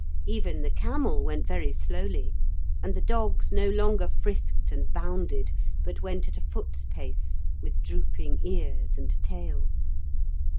Even the camel went very slowly, and the dogs no longer frisked and bounded, but went at a foot's pace with drooping ears and tails.